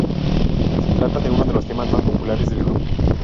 Se trata de uno de los temas más populares del grupo.